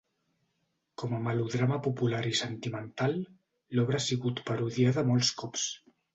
Com a melodrama popular i sentimental, l'obra ha sigut parodiada molts cops.